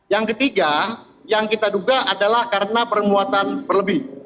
yang ketiga yang kita duga adalah karena permuatan berlebih